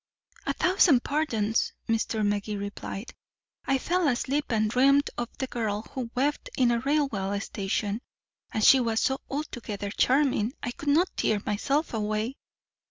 "A thousand pardons," Mr. Magee replied. "I fell asleep and dreamed of a girl who wept in a railway station and she was so altogether charming I could not tear myself away."